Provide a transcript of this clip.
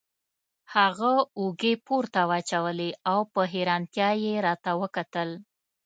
هغه اوږې پورته واچولې او په حیرانتیا یې راته وکتل.